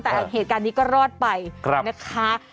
แต่เหตุการณ์นี้ก็รอดไปนะคะ